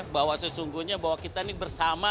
bahwa sesungguhnya kita bersama